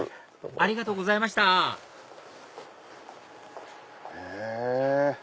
ありがとうございましたへぇ。